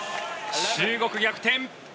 中国、逆転。